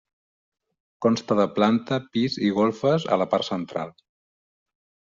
Consta de planta pis i golfes a la part central.